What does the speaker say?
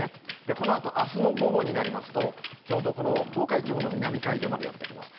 このあとあすの午後になりますと、ちょうどこの東海地方の南海上までやって来ます。